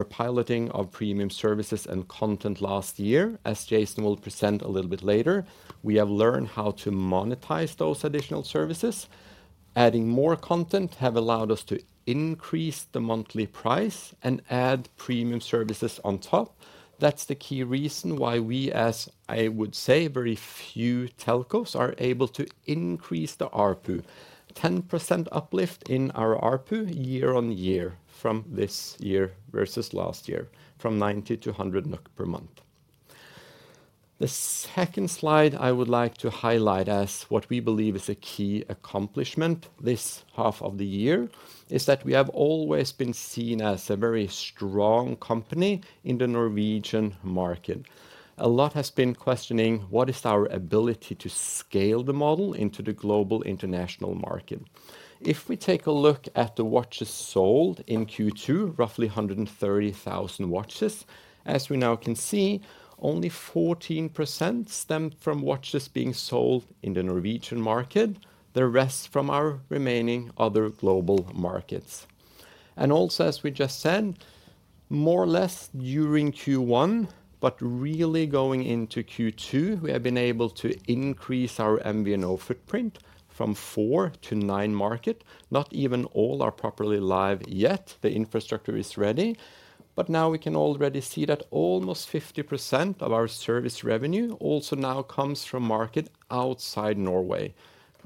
We're piloting our Xplora Premium and content last year. As Jason will present a little bit later, we have learned how to monetize those additional services. Adding more content have allowed us to increase the monthly price and add Xplora Premium on top. That's the key reason why we, as I would say, very few telcos are able to increase the ARPU. 10% uplift in our ARPU year-on-year from this year versus last year, from 90 - 100 NOK per month. The second slide I would like to highlight as what we believe is a key accomplishment this half of the year, is that we have always been seen as a very strong company in the Norwegian market. A lot has been questioning what is our ability to scale the model into the global international market. If we take a look at the watches sold in Q2, roughly 130,000 watches, as we now can see, only 14% stemmed from watches being sold in the Norwegian market. The rest from our remaining other global markets. Also, as we just said, more or less during Q1, but really going into Q2, we have been able to increase our MVNO footprint from 4-9 market. Not even all are properly live yet. The infrastructure is ready, now we can already see that almost 50% of our service revenue also now comes from market outside Norway.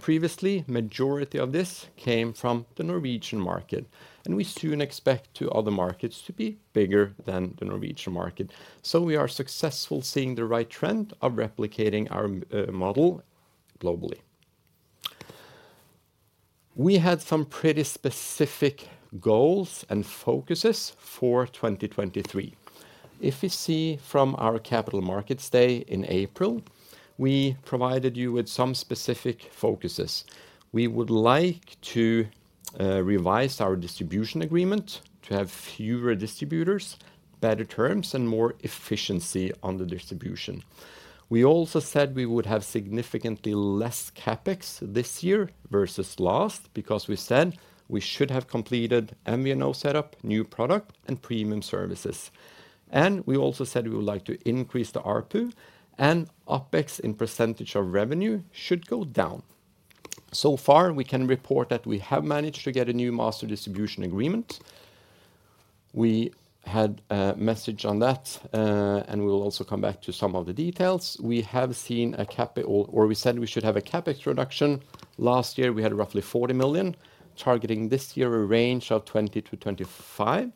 Previously, majority of this came from the Norwegian market, and we soon expect to other markets to be bigger than the Norwegian market. We are successful seeing the right trend of replicating our model globally. We had some pretty specific goals and focuses for 2023. If you see from our capital markets day in April, we provided you with some specific focuses. We would like to revise our distribution agreement to have fewer distributors, better terms, and more efficiency on the distribution. We also said we would have significantly less CapEx this year versus last, because we said we should have completed MVNO setup, new product, and Xplora Premium. We also said we would like to increase the ARPU and OpEx in percentage of revenue should go down. So far, we can report that we have managed to get a new master distribution agreement. We had a message on that, and we will also come back to some of the details. We have seen a CapEx-- or we said we should have a CapEx reduction. Last year, we had roughly 40 million, targeting this year a range of 20 million-25 million.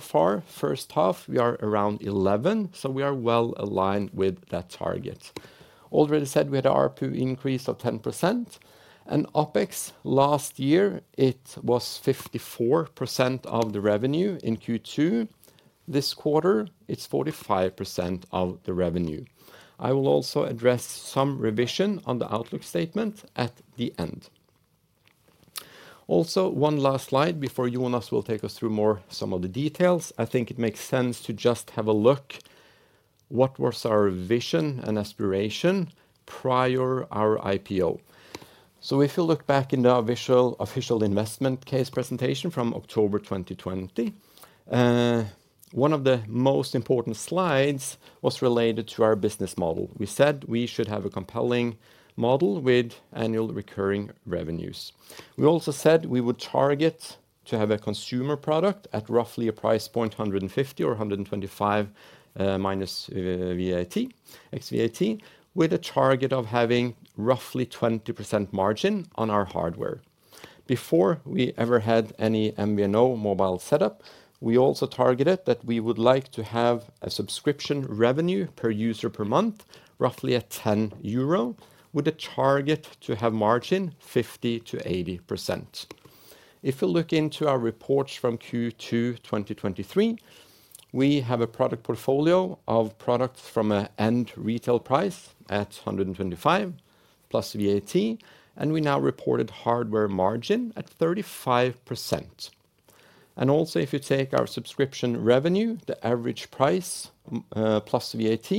Far, first half, we are around 11 million, so we are well aligned with that target. Already said we had a ARPU increase of 10% and OpEx last year it was 54% of the revenue in Q2. This quarter, it's 45% of the revenue. I will also address some revision on the outlook statement at the end. One last slide before Jonas will take us through more some of the details. I think it makes sense to just have a look what was our vision and aspiration prior our IPO. If you look back into our visual official investment case presentation from October 2020, one of the most important slides was related to our business model. We said we should have a compelling model with annual recurring revenues. We also said we would target to have a consumer product at roughly a price point, 150 or 125, minus VAT, ex VAT, with a target of having roughly 20% margin on our hardware. Before we ever had any MVNO mobile setup, we also targeted that we would like to have a subscription revenue per user per month, roughly at 10 euro, with a target to have margin 50%-80%. If you look into our reports from Q2 2023, we have a product portfolio of products from a end retail price at 125 plus VAT, we now reported hardware margin at 35%. Also, if you take our subscription revenue, the average price, plus VAT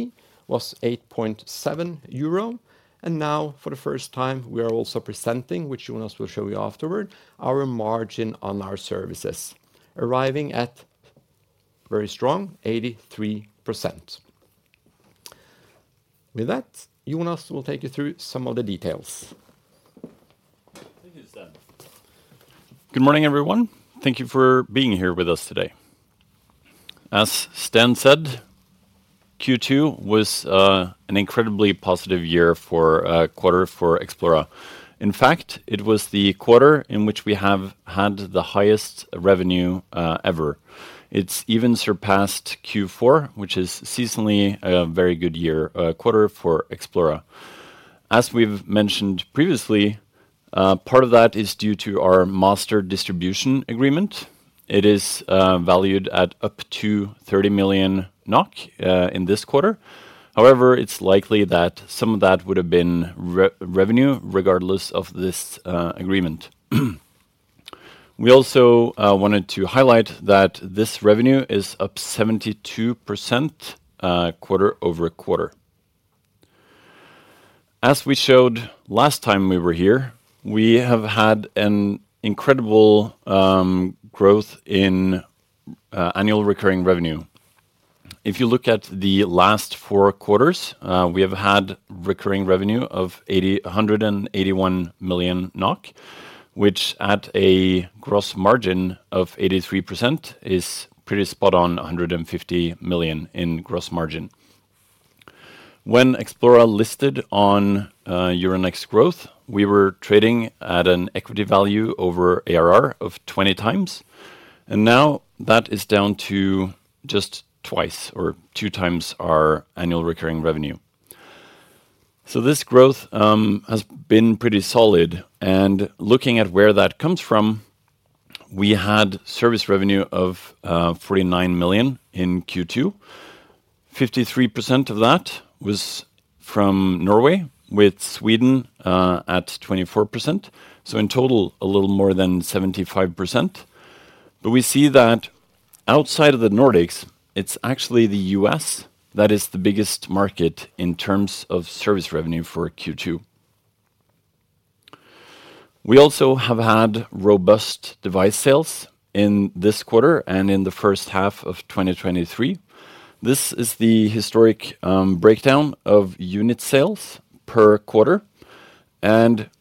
was 8.7 euro. Now, for the first time, we are also presenting, which Jonas will show you afterward, our margin on our services, arriving at very strong 83%. With that, Jonas will take you through some of the details. Thank you, Sten. Good morning, everyone. Thank you for being here with us today. As Sten said, Q2 was an incredibly positive quarter for Xplora. In fact, it was the quarter in which we have had the highest revenue ever. It's even surpassed Q4, which is seasonally a very good quarter for Xplora. As we've mentioned previously, part of that is due to our master distribution agreement. It is valued at up to 30 million NOK in this quarter. However, it's likely that some of that would have been revenue regardless of this agreement. We also wanted to highlight that this revenue is up 72% quarter-over-quarter. As we showed last time we were here, we have had an incredible growth in annual recurring revenue. If you look at the last four quarters, we have had recurring revenue of 181 million NOK, which at a gross margin of 83%, is pretty spot on, 150 million in gross margin. When Xplora listed on Euronext Growth, we were trading at an equity value over ARR of 20 times, now that is down to just 2 times our annual recurring revenue. This growth has been pretty solid, and looking at where that comes from, we had service revenue of 49 million in Q2. 53% of that was from Norway, with Sweden at 24%. In total, a little more than 75%. We see that outside of the Nordics, it's actually the U.S. that is the biggest market in terms of service revenue for Q2. We also have had robust device sales in this quarter and in the first half of 2023. This is the historic breakdown of unit sales per quarter.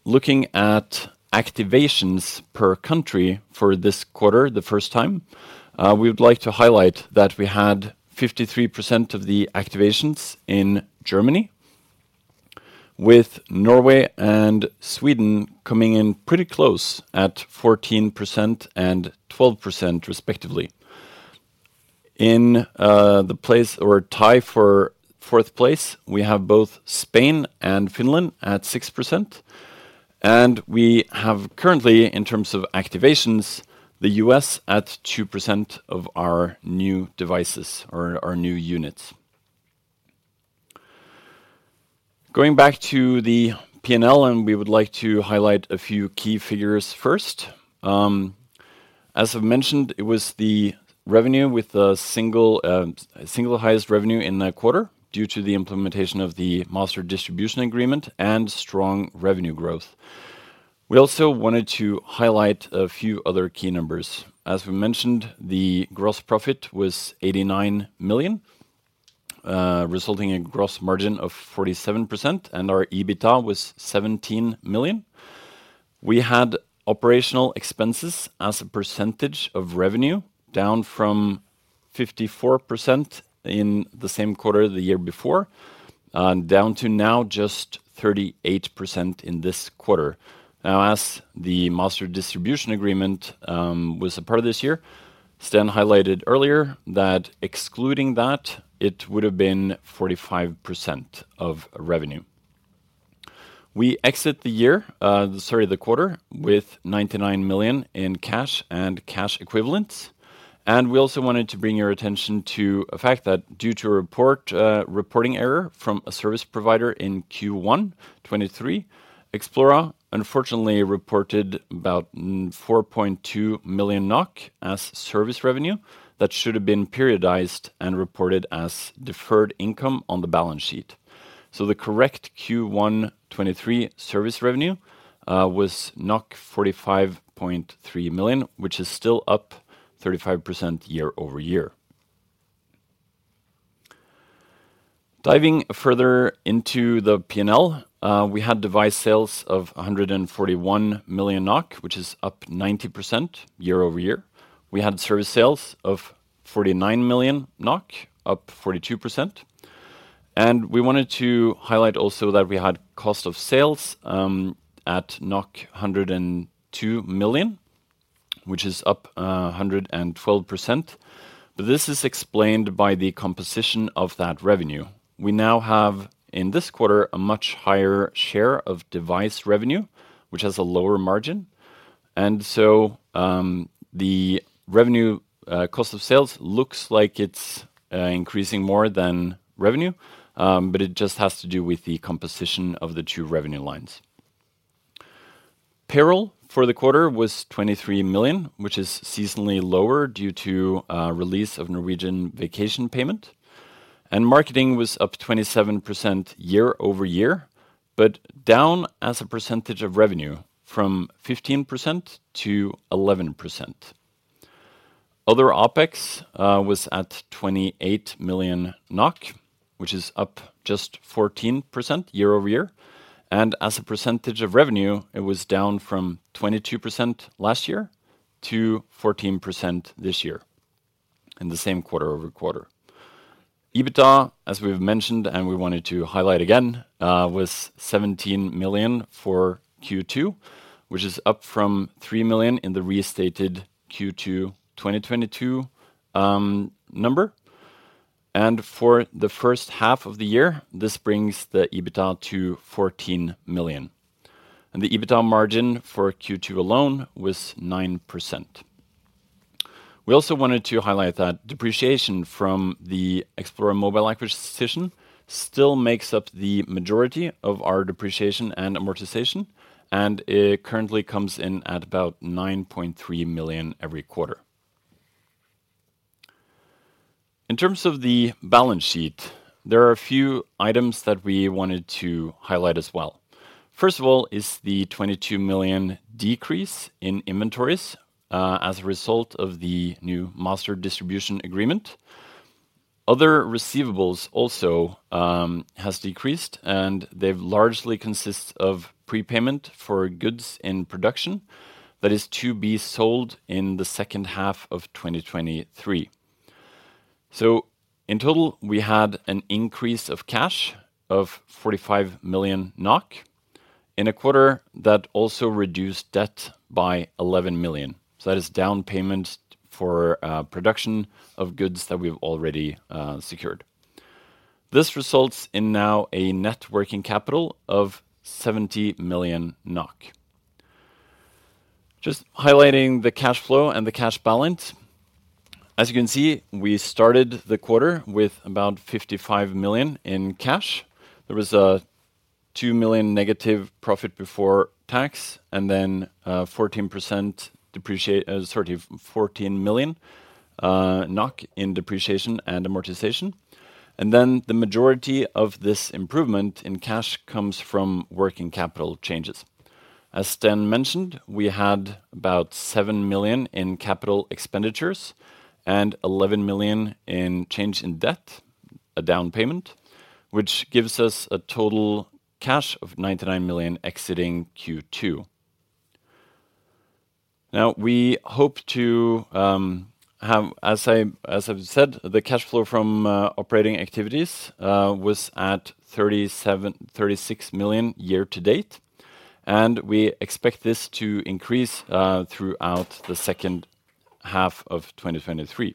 Looking at activations per country for this quarter, the first time, we would like to highlight that we had 53% of the activations in Germany, with Norway and Sweden coming in pretty close at 14% and 12% respectively. In the place or tie for fourth place, we have both Spain and Finland at 6%, and we have currently, in terms of activations, the U.S. at 2% of our new devices or our new units. Going back to the P&L, we would like to highlight a few key figures first. As I've mentioned, it was the revenue with the single, single highest revenue in that quarter, due to the implementation of the master distribution agreement and strong revenue growth. We also wanted to highlight a few other key numbers. As we mentioned, the gross profit was 89 million, resulting in gross margin of 47%, and our EBITDA was 17 million. We had operational expenses as a percentage of revenue, down from 54% in the same quarter the year before, and down to now just 38% in this quarter. As the master distribution agreement was a part of this year, Sten highlighted earlier that excluding that, it would have been 45% of revenue. We exit the year, the quarter, with 99 million in cash and cash equivalents. We also wanted to bring your attention to a fact that due to a report, reporting error from a service provider in Q1 2023, Xplora unfortunately reported about 4.2 million NOK as service revenue that should have been periodized and reported as deferred income on the balance sheet. The correct Q1 2023 service revenue was 45.3 million, which is still up 35% year-over-year. Diving further into the P&L, we had device sales of 141 million NOK, which is up 90% year-over-year. We had service sales of 49 million NOK, up 42%. We wanted to highlight also that we had cost of sales at 102 million, which is up 112%. This is explained by the composition of that revenue. We now have, in this quarter, a much higher share of device revenue, which has a lower margin. So the revenue cost of sales looks like it's increasing more than revenue, but it just has to do with the composition of the two revenue lines. Payroll for the quarter was 23 million, which is seasonally lower due to release of Norwegian vacation payment. Marketing was up 27% year-over-year, but down as a percentage of revenue from 15% to 11%. Other OpEx was at 28 million NOK, which is up just 14% year-over-year, and as a percentage of revenue, it was down from 22% last year to 14% this year, in the same quarter-over-quarter. EBITDA, as we've mentioned, and we wanted to highlight again, was 17 million for Q2, which is up from 3 million in the restated Q2 2022 number. For the first half of the year, this brings the EBITDA to 14 million, and the EBITDA margin for Q2 alone was 9%. We also wanted to highlight that depreciation from the Xplora Mobile acquisition still makes up the majority of our depreciation and amortization, and it currently comes in at about 9.3 million every quarter. In terms of the balance sheet, there are a few items that we wanted to highlight as well. First of all, is the 22 million decrease in inventories as a result of the new master distribution agreement. Other receivables also has decreased, and they've largely consists of prepayment for goods in production that is to be sold in the second half of 2023. In total, we had an increase of cash of 45 million NOK in a quarter that also reduced debt by 11 million. That is down payment for production of goods that we've already secured. This results in now a net working capital of 70 million NOK. Just highlighting the cash flow and the cash balance. As you can see, we started the quarter with about 55 million in cash. There was a 2 million negative profit before tax, and then, sorry, 14 million NOK in depreciation and amortization. Then the majority of this improvement in cash comes from working capital changes. As Sten mentioned, we had about 7 million in CapEx and 11 million in change in debt, a down payment, which gives us a total cash of 99 million exiting Q2. We hope to have, as I, as I've said, the cash flow from operating activities was at 36 million year to date, and we expect this to increase throughout the second half of 2023.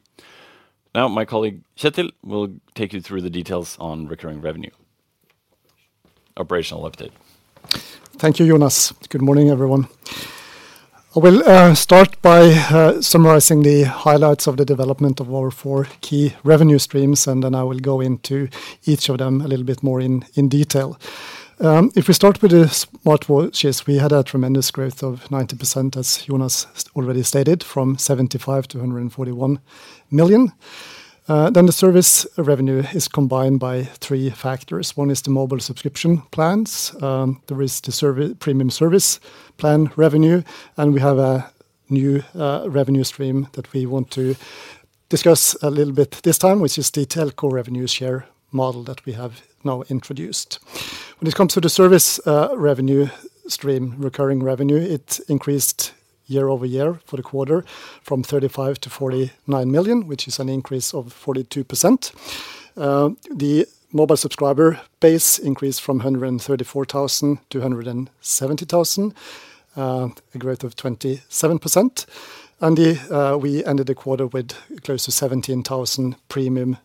My colleague, Kjetil, will take you through the details on recurring revenue. Operational update. Thank you, Jonas. Good morning, everyone. I will start by summarizing the highlights of the development of our four key revenue streams, and then I will go into each of them a little bit more in detail. If we start with the smartwatches, we had a tremendous growth of 90%, as Jonas already stated, from 75 million-141 million. The service revenue is combined by three factors. One is the mobile subscription plans, there is the Premium service plan revenue, and we have a new revenue stream that we want to discuss a little bit this time, which is the telco revenue share model that we have now introduced. When it comes to the service revenue stream, recurring revenue, it increased year-over-year for the quarter from 35 million-`NOK 49 million, which is an increase of 42%. The mobile subscriber base increased from 134,000 to 170,000, a growth of 27%, and we ended the quarter with close to 17,000 Xplora Premium.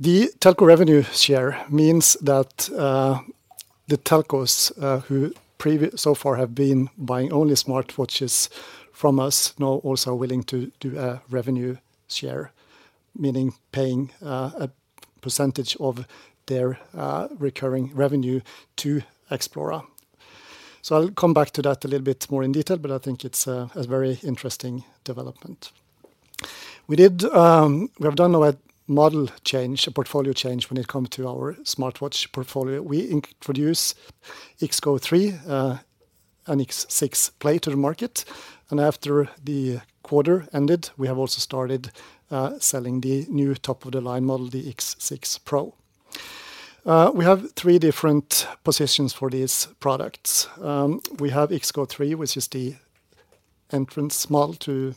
The telco revenue share means that the telcos, who so far have been buying only smartwatches from us, now also are willing to do a revenue share, meaning paying a percentage of their recurring revenue to Xplora. I'll come back to that a little bit more in detail, but I think it's a very interesting development. We have done a model change, a portfolio change, when it comes to our smartwatch portfolio. We introduced XGO3 and X6 Play to the market, and after the quarter ended, we have also started selling the new top-of-the-line model, the X6 Pro. We have three different positions for these products. We have XGO3, which is the entrance model to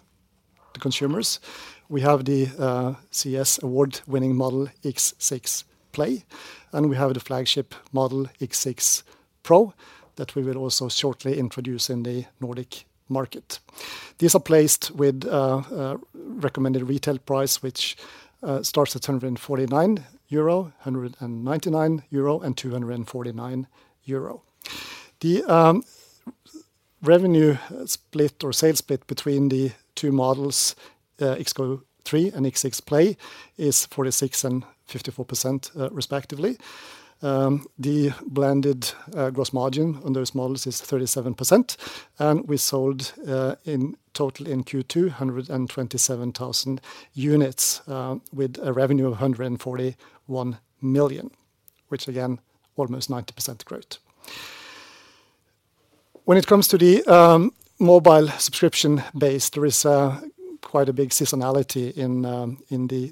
the consumers. We have the CES award-winning model, X6 Play, and we have the flagship model, X6 Pro, that we will also shortly introduce in the Nordic market. These are placed with a recommended retail price, which starts at 149 euro, 199 euro, and 249 euro. The revenue split or sales split between the two models, XGO3 and X6 Play, is 46% and 54%, respectively. The blended gross margin on those models is 37%, and we sold in total in Q2, 127,000 units with a revenue of 141 million, which again, almost 90% growth. When it comes to the mobile subscription base, there is a quite a big seasonality in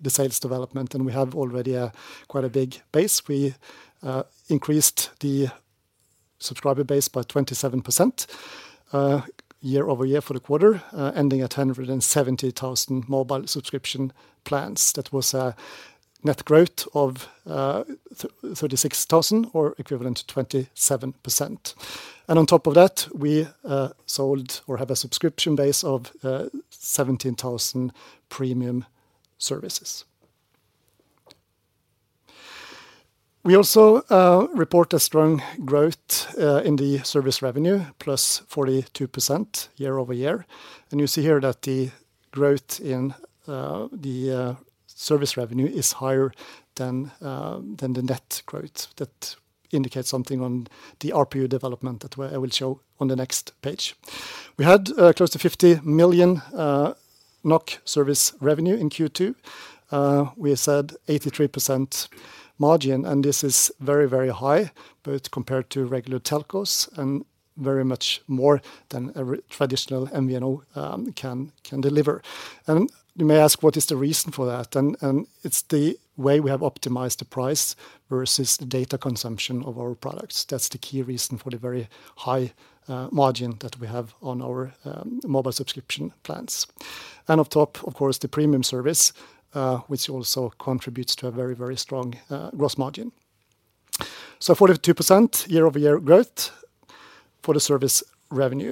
the sales development, and we have already a quite a big base. We increased the subscriber base by 27% year-over-year for the quarter, ending at 170,000 mobile subscription plans. That was a net growth of 36,000 or equivalent to 27%. On top of that, we sold or have a subscription base of 17,000 Xplora Premium. We also report a strong growth in the service revenue, plus 42% year-over-year. You see here that the growth in the service revenue is higher than than the net growth indicate something on the ARPU development that I will show on the next page. We had close to 50 million NOK service revenue in Q2. We said 83% margin, and this is very, very high, both compared to regular telcos and very much more than a traditional MVNO can deliver. You may ask, what is the reason for that? It's the way we have optimized the price versus the data consumption of our products. That's the key reason for the very high margin that we have on our mobile subscription plans. On top, of course, the Premium service, which also contributes to a very, very strong gross margin. 42% year-over-year growth for the service revenue.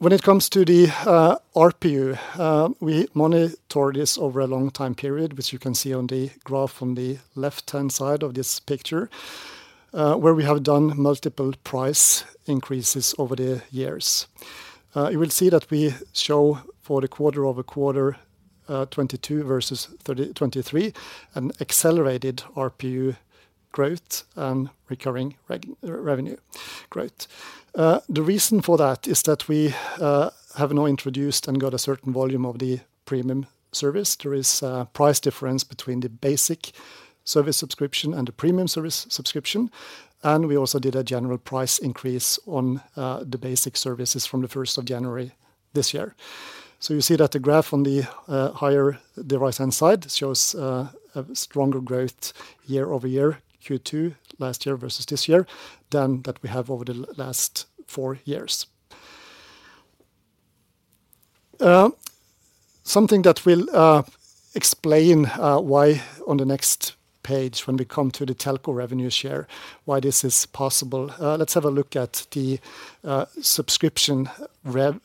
When it comes to the ARPU, we monitor this over a long time period, which you can see on the graph on the left-hand side of this picture, where we have done multiple price increases over the years. You will see that we show for the quarter-over-quarter, 2022 versus 2023, an accelerated ARPU growth and recurring revenue growth. The reason for that is that we have now introduced and got a certain volume of the Premium service. There is a price difference between the basic service subscription and the Premium service subscription, and we also did a general price increase on the basic services from the 1st of January this year. You see that the graph on the right-hand side, shows a stronger growth year-over-year, Q2 last year versus this year, than that we have over the last 4 years. Something that will explain why on the next page, when we come to the telco revenue share, why this is possible. Let's have a look at the subscription rev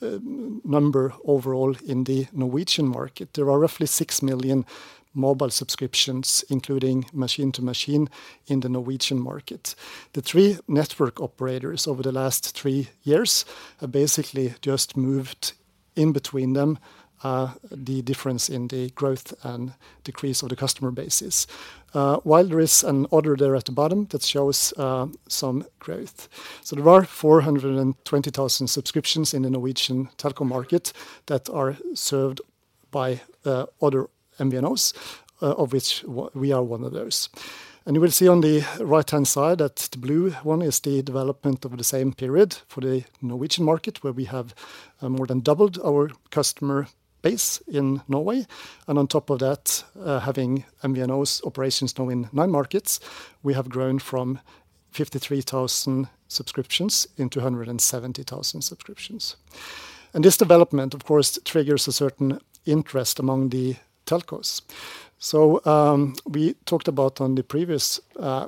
number overall in the Norwegian market. There are roughly 6 million mobile subscriptions, including machine-to-machine, in the Norwegian market. The 3 network operators over the last 3 years have basically just moved in between them the difference in the growth and decrease of the customer bases. While there is an other there at the bottom, that shows some growth. There are 420,000 subscriptions in the Norwegian market that are served by other MVNOs, of which we are one of those. You will see on the right-hand side that the blue one is the development over the same period for the Norwegian market, where we have more than doubled our customer base in Norway. On top of that, having MVNO operations now in 9 markets, we have grown from 53,000 subscriptions into 170,000 subscriptions. This development, of course, triggers a certain interest among the telcos. We talked about on the previous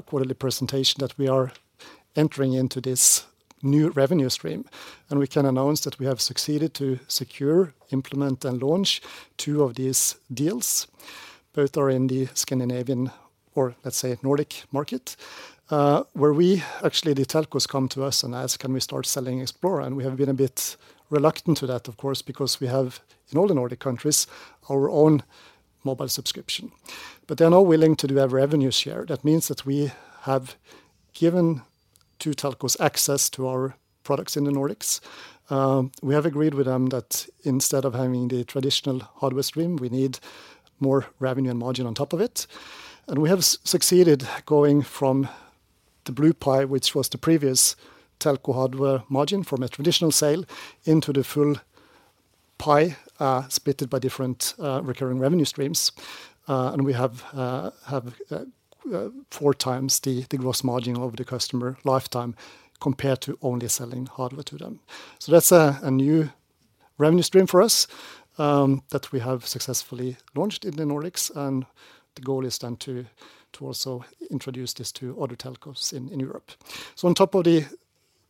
quarterly presentation, that we are entering into this new revenue stream, and we can announce that we have succeeded to secure, implement, and launch 2 of these deals. Both are in the Scandinavian, or let's say Nordic market, where we actually, the telcos come to us and ask, "Can we start selling Xplora?" We have been a bit reluctant to that, of course, because we have, in all the Nordic countries, our own mobile subscription. They are now willing to do a revenue share. That means that we have given 2 telcos access to our products in the Nordics. We have agreed with them that instead of having the traditional hardware stream, we need more revenue and margin on top of it. We have succeeded going from the blue pie, which was the previous telco hardware margin from a traditional sale, into the full pie, splitted by different recurring revenue streams. We have four times the gross margin over the customer lifetime, compared to only selling hardware to them. That's a new revenue stream for us, that we have successfully launched in the Nordics, and the goal is then to also introduce this to other telcos in Europe. On top of the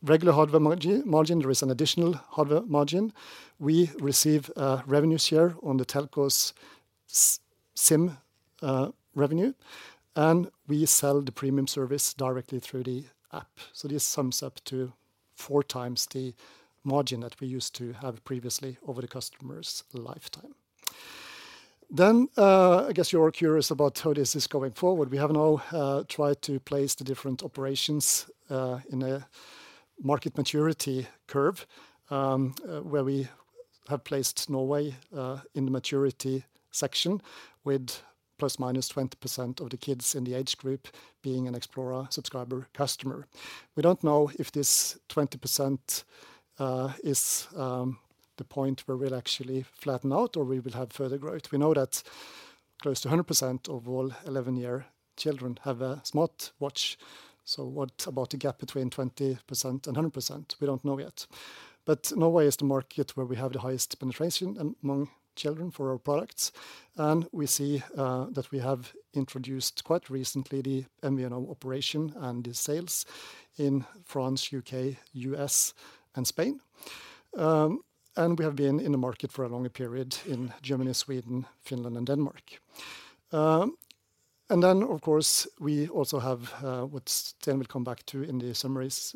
regular hardware margin, there is an additional hardware margin. We receive a revenue share on the telcos' SIM revenue, and we sell the Premium service directly through the app. This sums up to four times the margin that we used to have previously over the customer's lifetime. I guess you're curious about how this is going forward. We have now tried to place the different operations in a market maturity curve, where we have placed Norway in the maturity section, with ±20% of the kids in the age group being an Xplora subscriber customer. We don't know if this 20% is the point where we'll actually flatten out or we will have further growth. We know that close to 100% of all 11-year children have a smartwatch. What about the gap between 20% and 100%? We don't know yet. Norway is the market where we have the highest penetration among children for our products. We see that we have introduced, quite recently, the MVNO operation and the sales in France, UK, U.S., and Spain. We have been in the market for a longer period in Germany, Sweden, Finland, and Denmark. Then, of course, we also have what Sten will come back to in the summaries,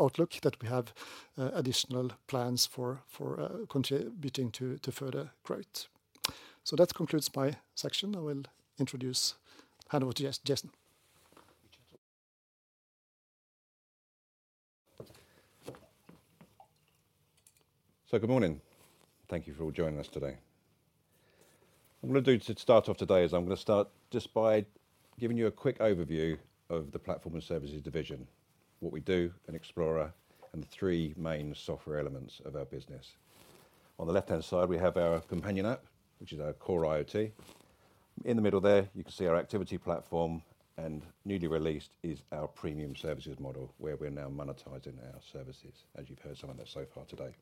outlook, that we have additional plans for, for, building to, to further growth. That concludes my section. I will introduce hand over to Jason. Good morning. Thank you for all joining us today. What I'm gonna do to start off today is I'm gonna start just by giving you a quick overview of the Platform and Services division, what we do in Xplora, and the three main software elements of our business. On the left-hand side, we have our Xplora app, which is our core IoT. In the middle there, you can see our Activity Platform, and newly released is our Xplora Premium model, where we're now monetizing our services, as you've heard some of that so far today.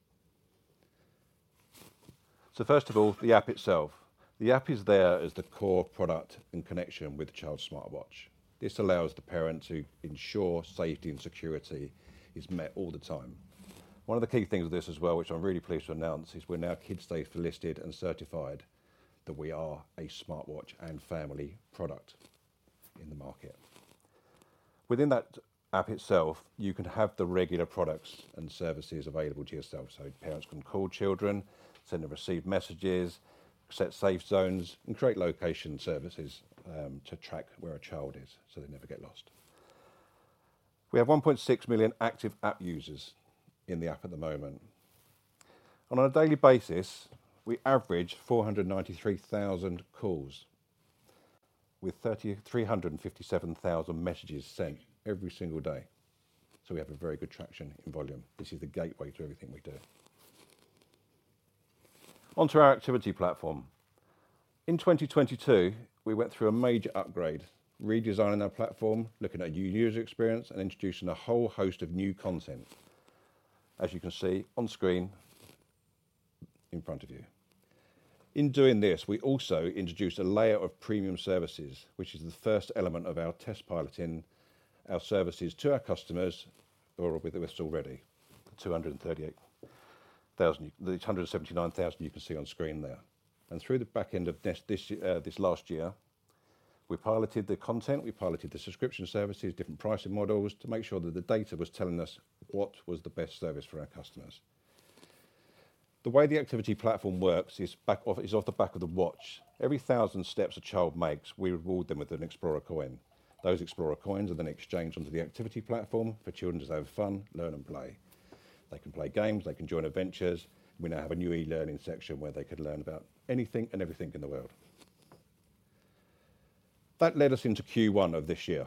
First of all, the app itself. The app is there as the core product in connection with the child's smartwatch. This allows the parent to ensure safety and security is met all the time. One of the key things of this as well, which I'm really pleased to announce, is we're now kidSAFE listed and certified that we are a smartwatch and family product in the market. Within that app itself, you can have the regular products and services available to yourself, so parents can call children, send and receive messages, set safe zones, and create location services to track where a child is, so they never get lost. We have 1.6 million active app users in the app at the moment. On a daily basis, we average 493,000 calls, with 3,357,000 messages sent every single day. We have a very good traction in volume. This is the gateway to everything we do. On to our Xplora Activity Platform. In 2022, we went through a major upgrade, redesigning our platform, looking at new user experience, and introducing a whole host of new content, as you can see on screen in front of you. In doing this, we also introduced a layer of Xplora Premium, which is the first element of our test pilot in our services to our customers or with us already, 238,000. The 179,000 you can see on screen there. Through the back end of this, this year, this last year, we piloted the content, we piloted the subscription services, different pricing models, to make sure that the data was telling us what was the best service for our customers. The way the Activity Platform works is back off, it's off the back of the watch. Every 1,000 steps a child makes, we reward them with an Xplora Coin. Those Xplora Coins are then exchanged onto the activity platform for children to have fun, learn, and play. They can play games. They can join adventures. We now have a new e-learning section where they can learn about anything and everything in the world. That led us into Q1 of this year.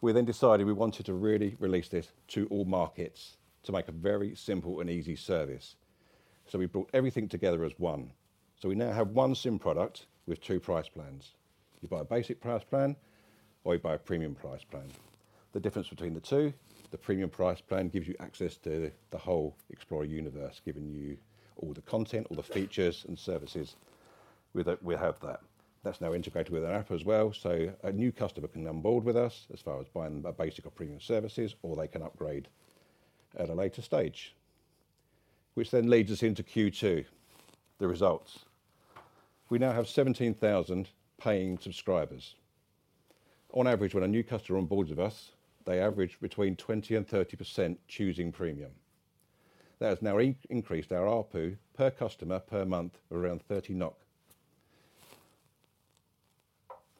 We then decided we wanted to really release this to all markets to make a very simple and easy service. We brought everything together as 1. We now have 1 SIM product with 2 price plans. You buy a basic price plan, or you buy a Premium price plan. The difference between the 2, the Premium price plan gives you access to the whole Xplora universe, giving you all the content, all the features and services with that. We have that. That's now integrated with our app as well, so a new customer can onboard with us as far as buying the basic or Xplora Premium, or they can upgrade at a later stage. Which leads us into Q2, the results. We now have 17,000 paying subscribers. On average, when a new customer onboards with us, they average between 20% and 30% choosing Premium. That has now increased our ARPU per customer per month around 30 NOK.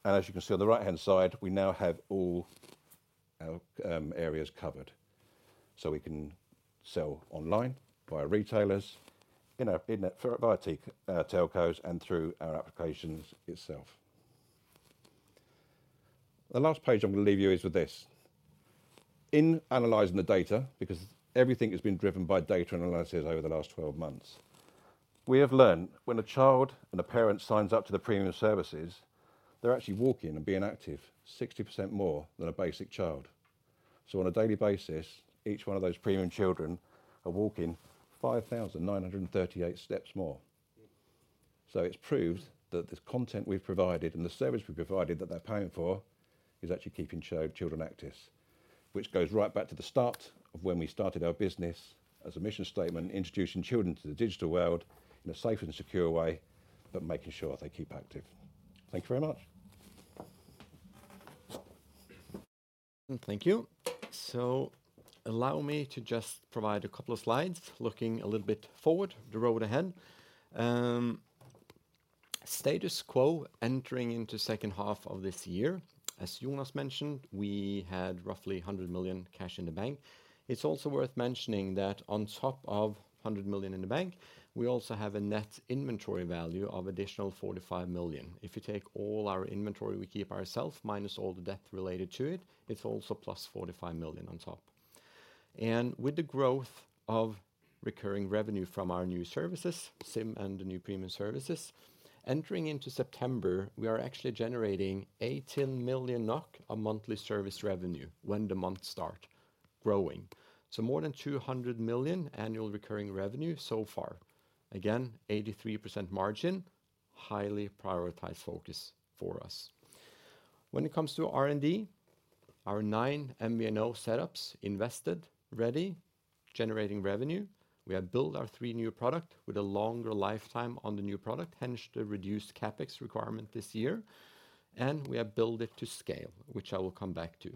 As you can see on the right-hand side, we now have all our areas covered. We can sell online, via retailers, in our via telcos, and through our applications itself. The last page I'm going to leave you with is this: In analyzing the data, because everything has been driven by data analysis over the last 12 months, we have learned when a child and a parent signs up to the Xplora Premium, they're actually walking and being active 60% more than a basic child. On a daily basis, each one of those Premium children are walking 5,938 steps more. It's proved that the content we've provided and the service we've provided that they're paying for, is actually keeping children active. Which goes right back to the start of when we started our business as a mission statement, introducing children to the digital world in a safe and secure way, but making sure they keep active. Thank you very much. Thank you. Allow me to just provide 2 slides, looking a little bit forward, the road ahead. Status quo entering into second half of this year. As Jonas mentioned, we had roughly 100 million cash in the bank. It's also worth mentioning that on top of 100 million in the bank, we also have a net inventory value of additional 45 million. If you take all our inventory we keep ourselves, minus all the debt related to it, it's also plus 45 million on top. With the growth of recurring revenue from our new services, SIM and the new Xplora Premium, entering into September, we are actually generating 18 million NOK of monthly service revenue when the month start growing. More than 200 million annual recurring revenue so far. Again, 83% margin, highly prioritized focus for us. When it comes to R&D, our 9 MVNO setups invested, ready, generating revenue. We have built our 3 new product with a longer lifetime on the new product, hence the reduced CapEx requirement this year, and we have built it to scale, which I will come back to.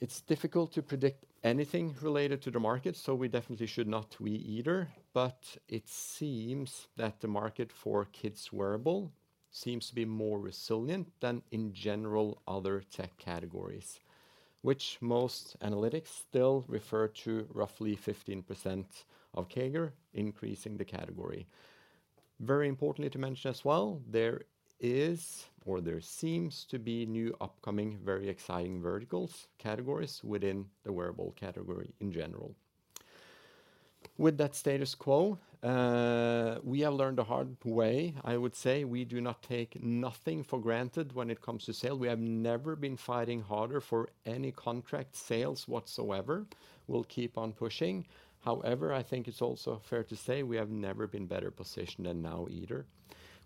It's difficult to predict anything related to the market, so we definitely should not we either. It seems that the market for kids wearable seems to be more resilient than in general other tech categories, which most analytics still refer to roughly 15% of CAGR, increasing the category. Very importantly, to mention as well, there is, or there seems to be, new upcoming, very exciting verticals, categories within the wearable category in general. With that status quo, we have learned the hard way. I would say we do not take nothing for granted when it comes to sale. We have never been fighting harder for any contract sales whatsoever. We'll keep on pushing. However, I think it's also fair to say we have never been better positioned than now either.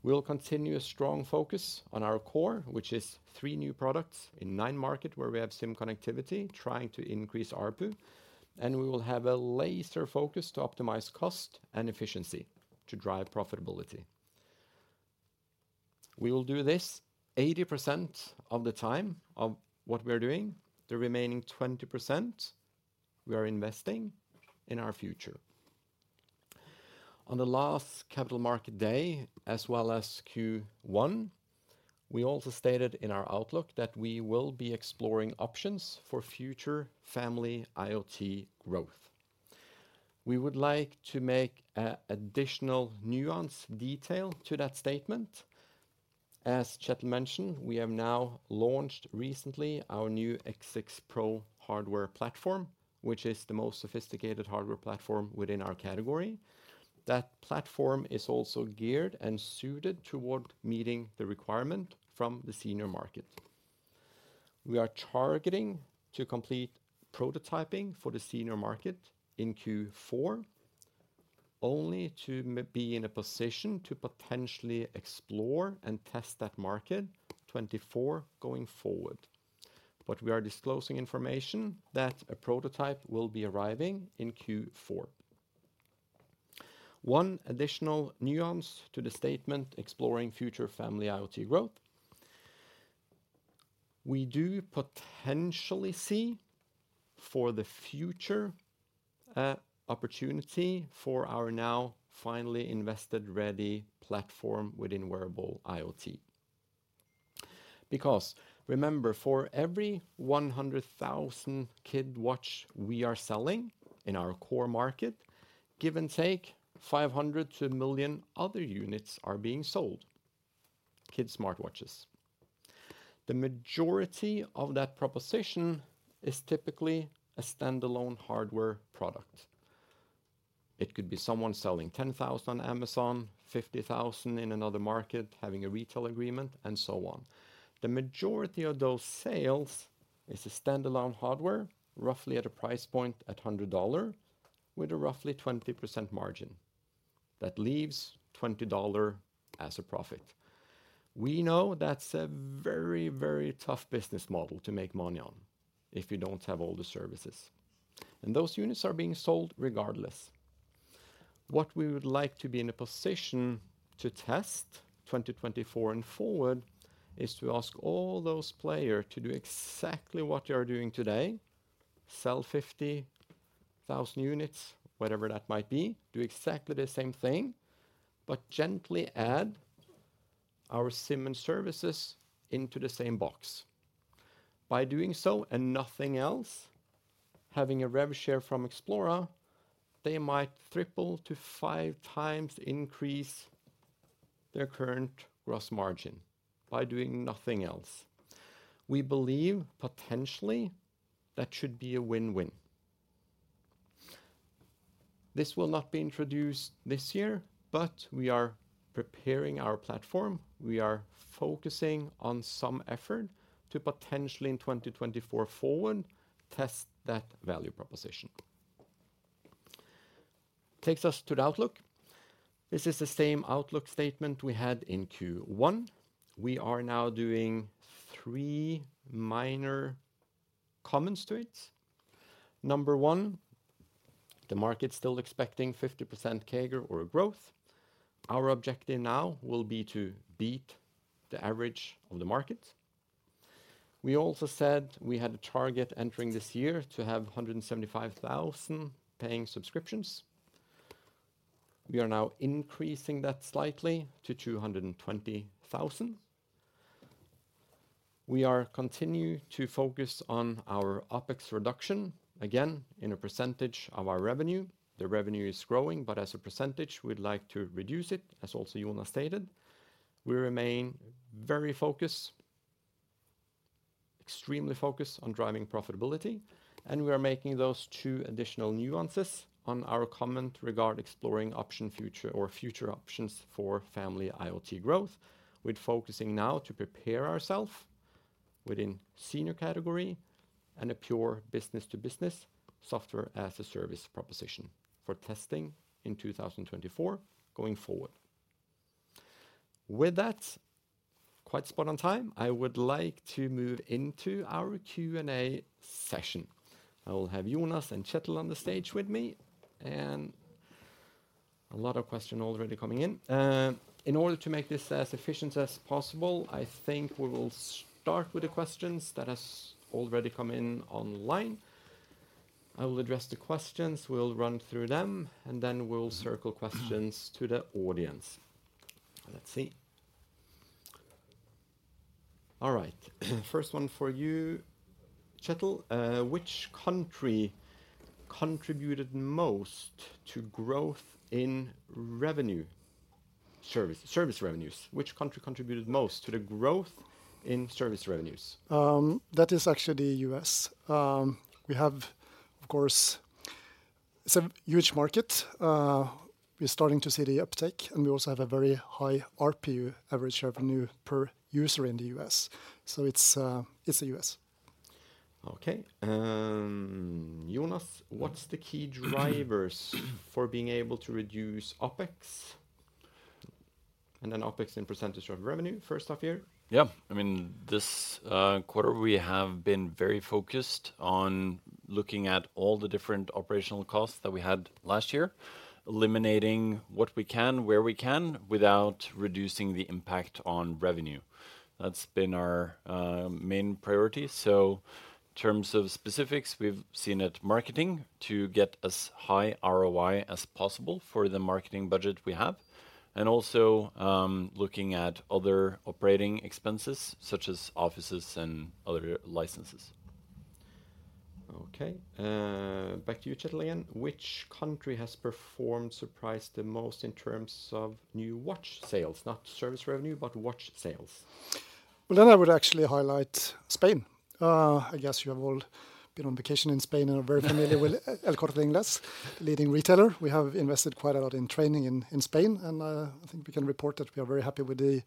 We'll continue a strong focus on our core, which is three new products in nine market where we have SIM connectivity, trying to increase ARPU. We will have a laser focus to optimize cost and efficiency to drive profitability. We will do this 80% of the time of what we are doing. The remaining 20%, we are investing in our future. On the last capital markets day, as well as Q1, we also stated in our outlook that we will be exploring options for future family IoT growth. We would like to make a additional nuance detail to that statement. As Kjetil mentioned, we have now launched recently our new X6 Pro hardware platform, which is the most sophisticated hardware platform within our category. That platform is also geared and suited toward meeting the requirement from the senior market. We are targeting to complete prototyping for the senior market in Q4, only to be in a position to potentially explore and test that market 2024 going forward. We are disclosing information that a prototype will be arriving in Q4. One additional nuance to the statement, exploring future family IoT growth. We do potentially see, for the future, a opportunity for our now finally invested, ready platform within wearable IoT. Remember, for every 100,000 kid watch we are selling in our core market, give and take, 500 to 1 million other units are being sold, kid smartwatches. The majority of that proposition is typically a standalone hardware product. It could be someone selling 10,000 on Amazon, 50,000 in another market, having a retail agreement, and so on. The majority of those sales is a standalone hardware, roughly at a price point at $100, with a roughly 20% margin. That leaves $20 as a profit. We know that's a very, very tough business model to make money on if you don't have all the services, and those units are being sold regardless. What we would like to be in a position to test 2024 and forward, is to ask all those player to do exactly what they are doing today, sell 50,000 units, whatever that might be, do exactly the same thing, but gently add our SIM and services into the same box. By doing so and nothing else, having a rev share from Xplora, they might triple to 5 times increase their current gross margin by doing nothing else. We believe potentially that should be a win-win. This will not be introduced this year, but we are preparing our platform. We are focusing on some effort to potentially in 2024 forward, test that value proposition. Takes us to the outlook. This is the same outlook statement we had in Q1. We are now doing 3 minor comments to it. Number 1, the market's still expecting 50% CAGR or growth. Our objective now will be to beat the average of the market. We also said we had a target entering this year to have 175,000 paying subscriptions. We are now increasing that slightly to 220,000. We are continue to focus on our OpEx reduction, again, in a % of our revenue. The revenue is growing, but as a %, we'd like to reduce it, as also Jonas stated. We remain very focused, extremely focused on driving profitability, and we are making those two additional nuances on our comment regard exploring option, future or future options for family IoT growth. We're focusing now to prepare ourself within senior category and a pure business-to-business software as a service proposition for testing in 2024 going forward. With that, quite spot on time, I would like to move into our Q&A session. I will have Jonas and Kjetil on the stage with me, and... A lot of question already coming in. In order to make this as efficient as possible, I think we will start with the questions that has already come in online. I will address the questions, we'll run through them, and then we'll circle questions to the audience. Let's see. All right. First one for you, Kjetil: Which country contributed most to growth in revenue, service, service revenues? Which country contributed most to the growth in service revenues? That is actually U.S. We have, of course, it's a huge market. We're starting to see the uptake, and we also have a very high ARPU, average revenue per user in the U.S. It's, it's the U.S. Okay. Jonas, what's the key drivers for being able to reduce OpEx? Then OpEx in % of revenue, first half year. Yeah. I mean, this quarter, we have been very focused on looking at all the different operational costs that we had last year, eliminating what we can, where we can, without reducing the impact on revenue. That's been our main priority. In terms of specifics, we've seen it marketing to get as high ROI as possible for the marketing budget we have, and also looking at other operating expenses, such as offices and other licenses. Okay. back to you, Kjetil, again. Which country has performed, surprised the most in terms of new watch sales? Not service revenue, but watch sales. Well, I would actually highlight Spain. I guess you have all been on vacation in Spain and are very familiar with El Corte Inglés, leading retailer. We have invested quite a lot in training in Spain. I think we can report that we are very happy with the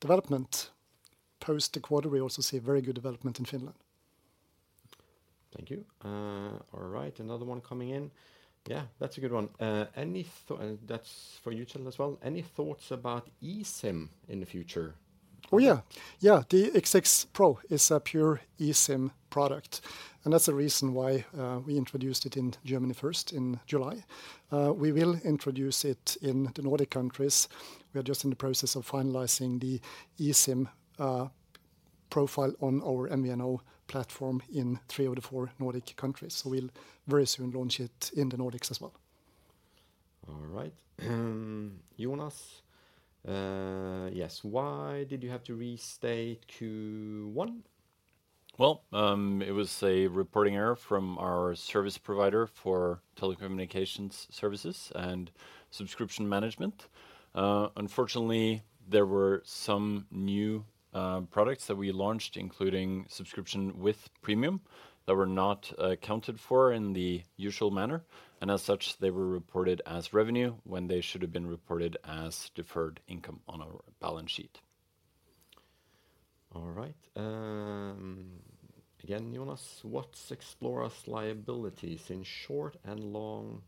development. Post the quarter, we also see very good development in Finland. Thank you. All right, another one coming in. Yeah, that's a good one. That's for you, Kjetil, as well. Any thoughts about eSIM in the future? Oh, yeah. Yeah, the X6 Pro is a pure eSIM product. That's the reason why we introduced it in Germany first in July. We will introduce it in the Nordic countries. We are just in the process of finalizing the eSIM profile on our MVNO platform in 3 of the 4 Nordic countries. We'll very soon launch it in the Nordics as well. All right. Jonas, yes. Why did you have to restate Q1? Well, it was a reporting error from our service provider for telecommunications services and subscription management. Unfortunately, there were some new products that we launched, including subscription with Premium, that were not accounted for in the usual manner. As such, they were reported as revenue when they should have been reported as deferred income on our balance sheet. All right. again, Jonas, what's Xplora's liabilities in short and long,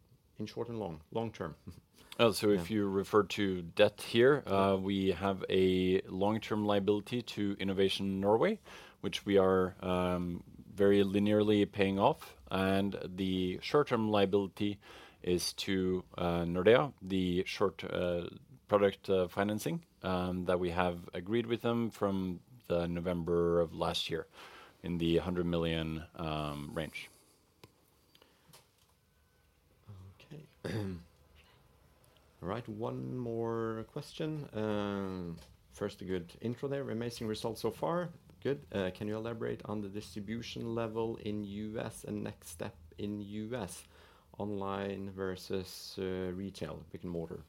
long term? If you refer to debt here, we have a long-term liability to Innovation Norway, which we are very linearly paying off, and the short-term liability is to Nordea, the short product financing that we have agreed with them from the November of last year in the 100 million range. Okay. All right, one more question. First, a good intro there: "Amazing results so far." Good. "Can you elaborate on the distribution level in U.S. and next step in U.S., online versus retail, brick-and-mortar?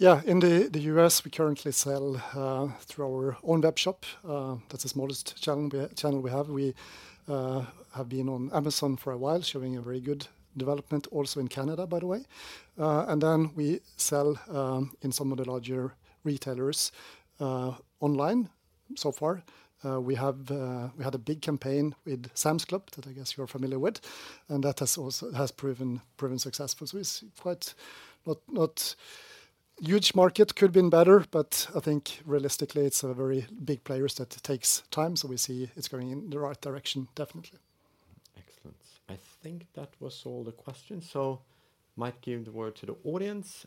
Yeah, in the, the U.S., we currently sell through our own webshop. That's the smallest channel we, channel we have. We have been on Amazon for a while, showing a very good development also in Canada, by the way. Then we sell in some of the larger retailers online so far. We have, we had a big campaign with Sam's Club, that I guess you are familiar with, and that has also has proven, proven successful. It's quite not, not huge market, could have been better, but I think realistically it's a very big players that takes time. We see it's going in the right direction, definitely. Excellent. I think that was all the questions. Might give the word to the audience,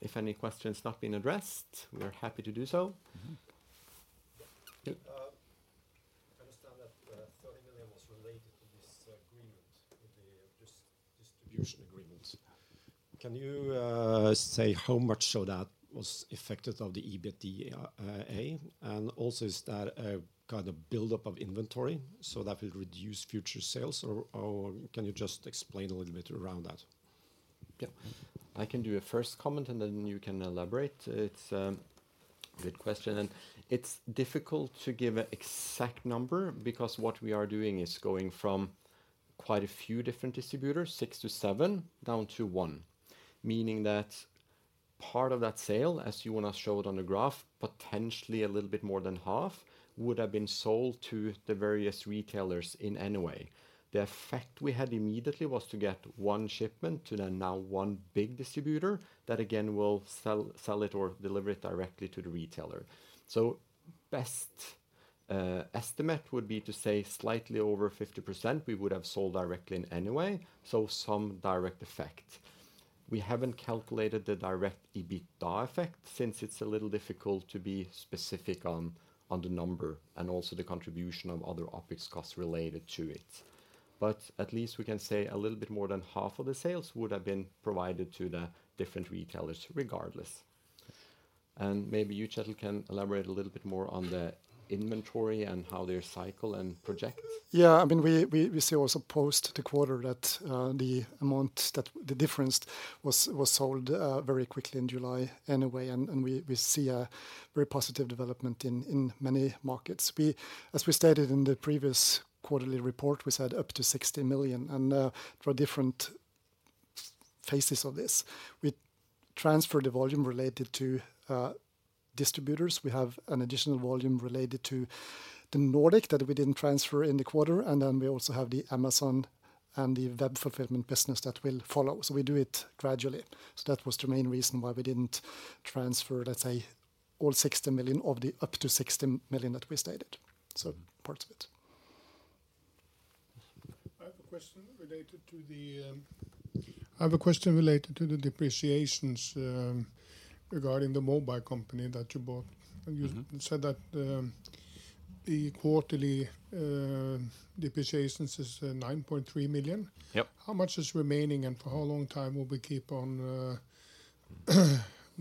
if any questions not been addressed, we are happy to do so. Mm-hmm. Yeah, I understand that, NOK 30 million was related to this agreement, with the distribution agreement. Can you, say how much of that was affected of the EBITDA? Also, is that a kind of buildup of inventory so that will reduce future sales, or, or can you just explain a little bit around that? Yeah. I can do a first comment, and then you can elaborate. It's a good question, and it's difficult to give an exact number because what we are doing is going from quite a few different distributors, six to seven, down to one. Meaning that part of that sale, as you wanna show it on the graph, potentially a little bit more than half, would have been sold to the various retailers in any way. The effect we had immediately was to get one shipment to the now one big distributor, that again, will sell, sell it or deliver it directly to the retailer. Best estimate would be to say slightly over 50% we would have sold directly in any way, so some direct effect. We haven't calculated the direct EBITDA effect, since it's a little difficult to be specific on, on the number, and also the contribution of other OpEx costs related to it. At least we can say a little bit more than half of the sales would have been provided to the different retailers, regardless. Maybe you, Kjetil, can elaborate a little bit more on the inventory and how they cycle and project? I mean, we, we, we see also post the quarter that the amount that the difference was, was sold very quickly in July anyway. We, we see a very positive development in many markets. As we stated in the previous quarterly report, we said up to 60 million, there are different phases of this. We transferred the volume related to distributors. We have an additional volume related to the Nordic that we didn't transfer in the quarter, we also have the Amazon and the web fulfillment business that will follow. We do it gradually. That was the main reason why we didn't transfer, let's say, all 60 million of the up to 60 million that we stated. Parts of it. I have a question related to the depreciations, regarding the mobile company that you bought. Mm-hmm. You said that the quarterly depreciations is 9.3 million. Yep. How much is remaining, and for how long time will we keep on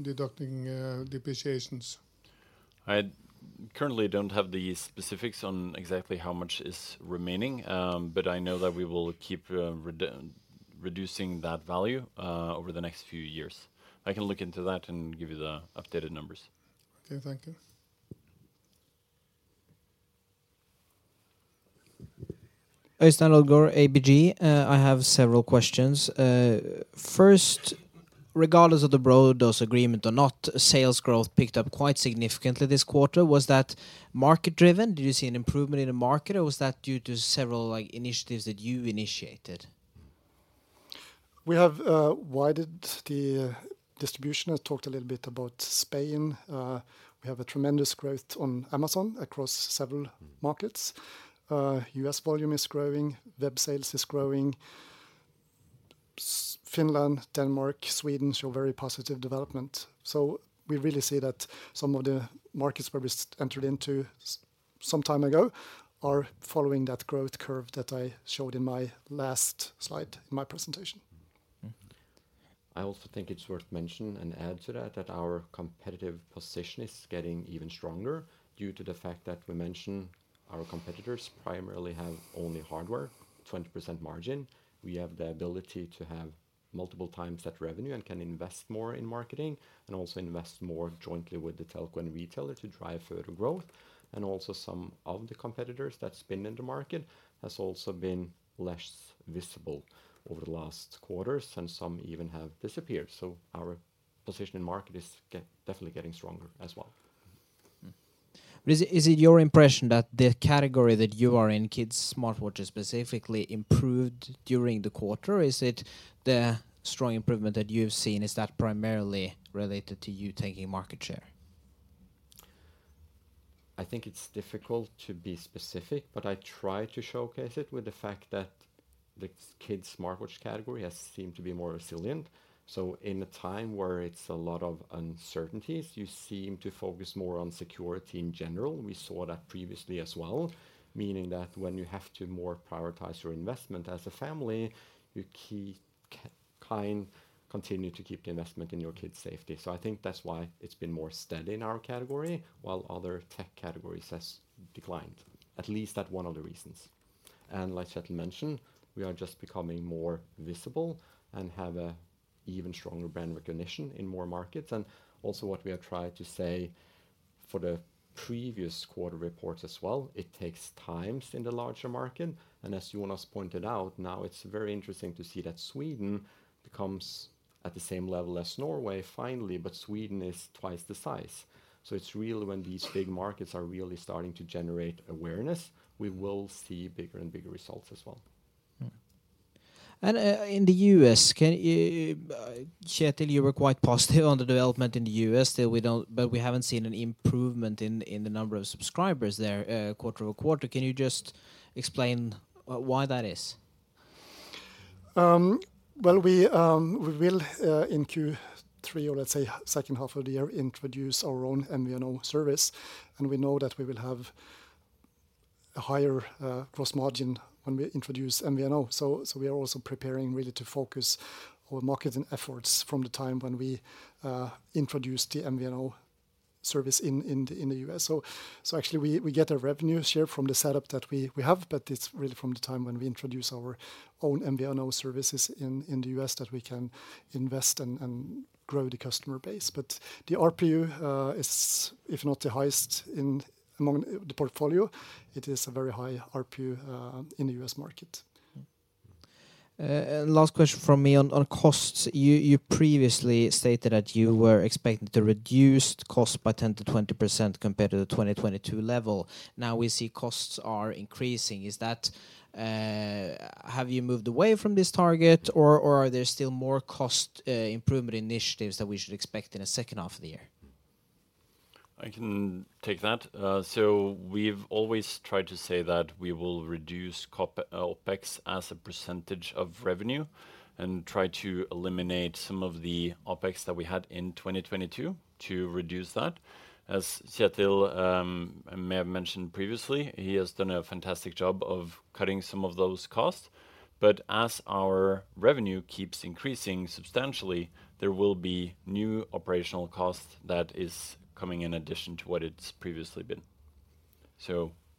deducting depreciations? I currently don't have the specifics on exactly how much is remaining, but I know that we will keep, reducing that value, over the next few years. I can look into that and give you the updated numbers. Okay, thank you. Øystein Lodgaard, ABG. I have several questions. First, regardless of the Brodos agreement or not, sales growth picked up quite significantly this quarter. Was that market-driven? Did you see an improvement in the market, or was that due to several, like, initiatives that you initiated? We have widened the distribution. I talked a little bit about Spain. We have a tremendous growth on Amazon across several markets. Mm-hmm. U.S. volume is growing, web sales is growing. Finland, Denmark, Sweden, show very positive development. We really see that some of the markets where we entered into some time ago are following that growth curve that I showed in my last slide in my presentation. Mm-hmm. I also think it's worth mentioning and add to that, that our competitive position is getting even stronger due to the fact that we mention our competitors primarily have only hardware, 20% margin. We have the ability to have multiple times that revenue and can invest more in marketing. Also invest more jointly with the telco and retailer to drive further growth. Also some of the competitors that's been in the market has also been less visible over the last quarters, and some even have disappeared. Our position in market is definitely getting stronger as well. Mm-hmm. Is it, is it your impression that the category that you are in, kids' smartwatch, specifically improved during the quarter? Or is it the strong improvement that you've seen, is that primarily related to you taking market share? I think it's difficult to be specific, but I try to showcase it with the fact that the kids' smartwatch category has seemed to be more resilient. In a time where it's a lot of uncertainties, you seem to focus more on security in general. We saw that previously as well, meaning that when you have to more prioritize your investment as a family, you continue to keep the investment in your kids' safety. I think that's why it's been more steady in our category, while other tech categories has declined. At least that one of the reasons. Like Kjetil mentioned, we are just becoming more visible and have a even stronger brand recognition in more markets. Also what we have tried to say for the previous quarter reports as well, it takes time in the larger market. As Jonas pointed out, now it's very interesting to see that Sweden becomes at the same level as Norway, finally. Sweden is 2x the size. It's really when these big markets are really starting to generate awareness, we will see bigger and bigger results as well. Mm-hmm. In the U.S., can... Kjetil, you were quite positive on the development in the U.S.. Still we haven't seen an improvement in, in the number of subscribers there, quarter-over-quarter. Can you just explain why that is? Well, we will in Q3, or let's say, half, second half of the year, introduce our own MVNO service, and we know that we will have a higher gross margin when we introduce MVNO. So we are also preparing really to focus our marketing efforts from the time when we introduce the MVNO service in the U.S.. So actually, we get a revenue share from the setup that we have, but it's really from the time when we introduce our own MVNO services in the U.S., that we can invest and grow the customer base. The ARPU is, if not the highest in, among the portfolio, it is a very high ARPU in the U.S. market. Last question from me, on, on costs. You, you previously stated that you were expecting to reduce cost by 10%-20% compared to the 2022 level. Now we see costs are increasing. Have you moved away from this target, or, or are there still more cost improvement initiatives that we should expect in the second half of the year? I can take that. We've always tried to say that we will reduce OpEx as a percentage of revenue and try to eliminate some of the OpEx that we had in 2022 to reduce that. As Kjetil may have mentioned previously, he has done a fantastic job of cutting some of those costs. As our revenue keeps increasing substantially, there will be new operational costs that is coming in addition to what it's previously been.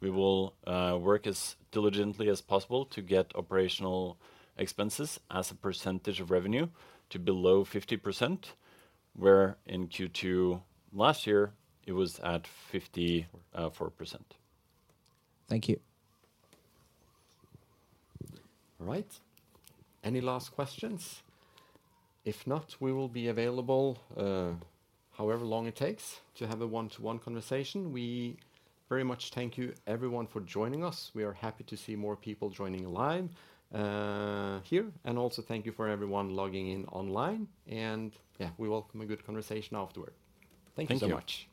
We will work as diligently as possible to get operational expenses as a percentage of revenue to below 50%, where in Q2 last year, it was at 54%. Thank you. All right. Any last questions? If not, we will be available, however long it takes, to have a 1-to-1 conversation. We very much thank you everyone for joining us. We are happy to see more people joining live here. Also thank you for everyone logging in online. Yeah, we welcome a good conversation afterward. Thank you. Thank you so much.